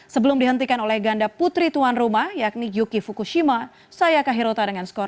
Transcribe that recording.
sebelum dihentikan oleh ganda putri tuan rumah yakni yuki fukushima saya kahirota dengan skor dua puluh satu dua belas dua puluh satu delapan belas